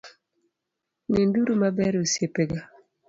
Ninduru maber osiepega